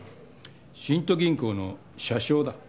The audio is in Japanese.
新都銀行の社章だ。